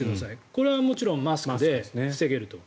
これはもちろんマスクで防げると。